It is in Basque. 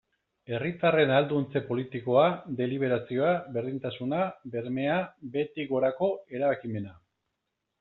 Herritarren ahalduntze politikoa, deliberazioa, berdintasuna, bermea, behetik gorako erabakimena...